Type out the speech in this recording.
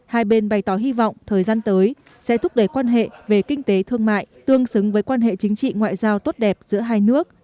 hai bên bày tỏ hy vọng thời gian tới sẽ thúc đẩy quan hệ về kinh tế thương mại tương xứng với quan hệ chính trị ngoại giao tốt đẹp giữa hai nước